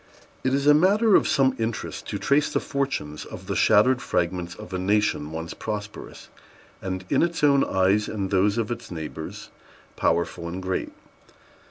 It is a matter of some interest to trace the fortunes of the shattered fragments of a nation once prosperous, and, in its own eyes and those of its neighbors, powerful and great.